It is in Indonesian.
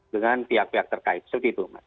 dengan pihak pihak terkait